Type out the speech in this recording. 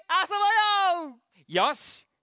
よし！